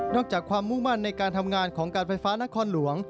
จากความมุ่งมั่นในการทำงานของการไฟฟ้านครหลวง